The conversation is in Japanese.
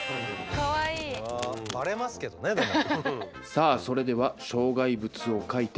「さあそれでは障害物を描いて。